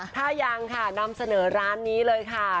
ถ้ายังค่ะนำเสนอร้านนี้เลยค่ะ